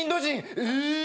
え？